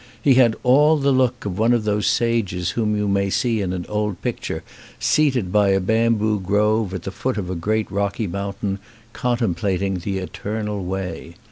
He had all the look of one of those sages whom you may see in an old picture seated by a bamboo grove at the foot of a great rocky mountain contemplating the Eternal Way.